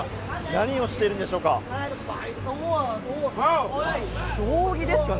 何をしているんでしょうか。